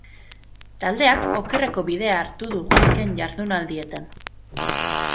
Taldeak okerreko bidea hartu du azken jardunaldietan.